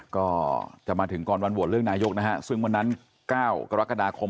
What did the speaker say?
ก็จะมาถึงก่อนวันโหวตเลือกนายกนะฮะซึ่งวันนั้น๙กรกฎาคม